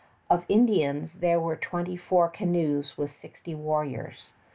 Of Indians, there were twenty four canoes with sixty warriors.